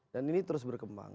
dan ini terus berkembang